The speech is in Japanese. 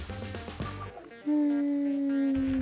うん。